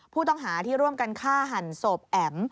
ผู้ต้องหาที่ร่วมกันฆ่าหันศพแอ๋ม